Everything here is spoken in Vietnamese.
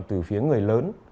từ phía người lớn